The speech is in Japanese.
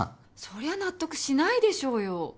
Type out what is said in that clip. そりゃ納得しないでしょうよ。